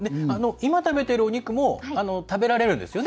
今、食べているお肉も食べられるんですよね。